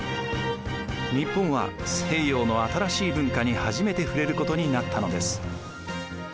日本は西洋の新しい文化に初めて触れることになったのです。